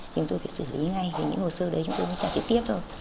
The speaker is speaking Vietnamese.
chúng tôi phải xử lý ngay và những hồ sơ đấy chúng tôi mới tra trực tiếp thôi